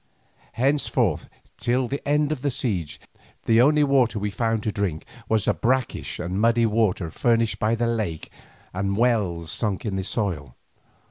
Henceforth till the end of the siege, the only water that we found to drink was the brackish and muddy fluid furnished by the lake and wells sunk in the soil.